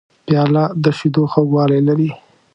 پیاله د شیدو خوږوالی لري.